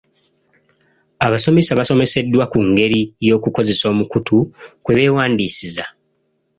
Abasomesa basomeseddwa ku ngeri y'okukozesa omukutu kwe beewandiisiza.